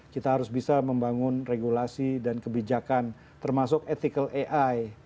kita harus bisa membangun regulasi dan kebijakan termasuk ethical ai